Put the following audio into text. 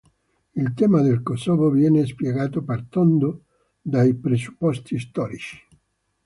Il tema del Kosovo viene spiegato partendo dai presupposti storici.